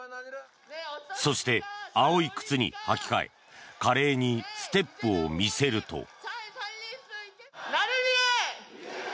そして、青い靴に履き替え華麗にステップを見せると。